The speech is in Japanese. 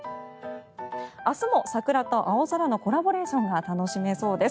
明日も桜と青空のコラボレーションが楽しめそうです。